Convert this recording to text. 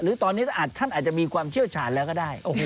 หรือตอนนี้ท่านอาจจะมีความเชี่ยวชาญแล้วก็ได้